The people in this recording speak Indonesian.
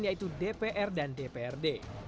yaitu dpr dan dprd